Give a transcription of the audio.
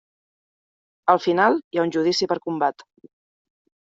Al final, hi ha un judici per combat.